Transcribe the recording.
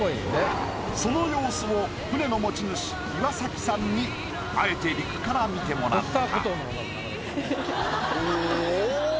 その様子を船の持ち主岩崎さんにあえて陸から見てもらった。